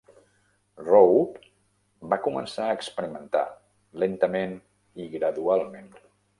Rowe va començar a experimentar, lentament i gradualment.